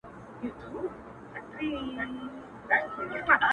• مقابله کولای سي ,